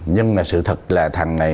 nhưng mà sự thật là thằng này